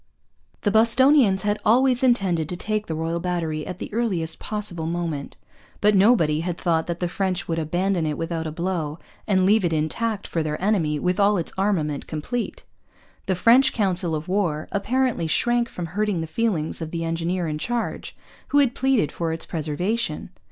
The Bostonians had always intended to take the Royal Battery at the earliest possible moment. But nobody had thought that the French would abandon it without a blow and leave it intact for their enemy, with all its armament complete. The French council of war apparently shrank from hurting the feelings of the engineer in charge, who had pleaded for its preservation!